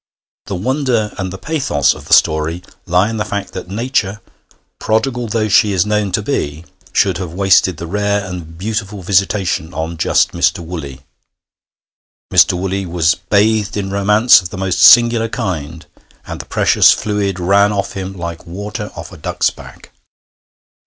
The wonder and the pathos of the story lie in the fact that Nature, prodigal though she is known to be, should have wasted the rare and beautiful visitation on just Mr. Woolley. Mr. Woolley was bathed in romance of the most singular kind, and the precious fluid ran off him like water off a duck's back.